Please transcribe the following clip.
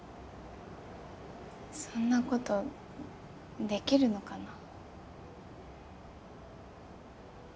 そんなことできるのかな。